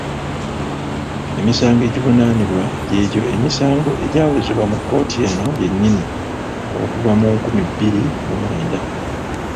Emisango egivunaanibwa gy'egyo emisango egyawozebwa mu kkooti eno yennyini okuva mu nkumi bbiri mu mwenda.